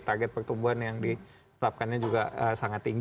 target pertumbuhan yang ditetapkannya juga sangat tinggi